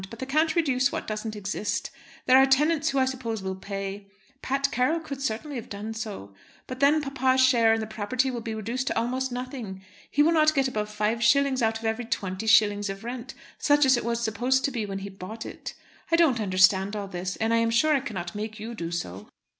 But they can't reduce what doesn't exist. There are tenants who I suppose will pay. Pat Carroll could certainly have done so. But then papa's share in the property will be reduced almost to nothing. He will not get above five shillings out of every twenty shillings of rent, such as it was supposed to be when he bought it. I don't understand all this, and I am sure I cannot make you do so.